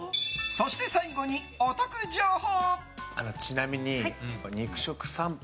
そして、最後にお得情報！